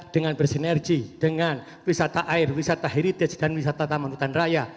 dengan bersinergi dengan wisata air wisata heritage dan wisata taman hutan raya